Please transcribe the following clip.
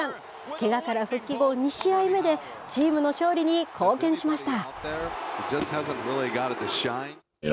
けがから復帰後２試合目で、チームの勝利に貢献しました。